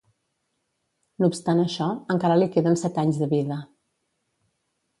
No obstant això, encara li queden set anys de vida.